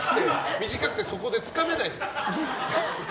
短くてつかめないじゃん。